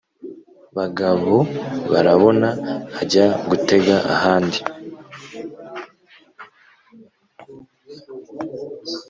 bagabobarabona ajya gutega ahandi.